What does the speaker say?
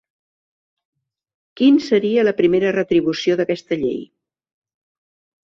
Quin seria la primera retribució d'aquesta llei?